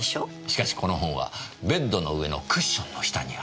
しかしこの本はベッドの上のクッションの下にありました。